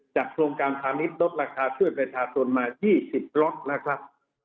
จากโครงการภาพนิษฐ์ลดราคาช่วยไปทาร์สุนมา๒๐ล็อทแล้วครับ